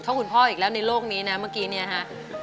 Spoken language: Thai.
คุณพ่ออีกแล้วในโลกนี้นะเมื่อกี้เนี่ยฮะ